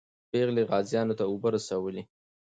پېغلې غازیانو ته اوبه رسولې.